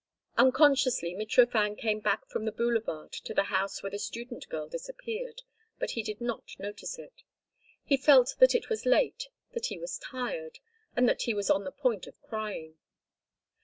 Unconsciously Mitrofan came back from the boulevard to the house where the student girl disappeared, but he did not notice it. He felt that it was late, that he was tired, and that he was on the point of crying.